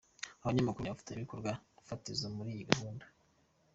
abanyamakuru ni abafatanyabikorwa fatizo muri iyi gahunda.